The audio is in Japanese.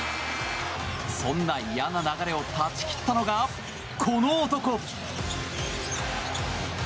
そんな嫌な流れを断ち切ったのがこの男。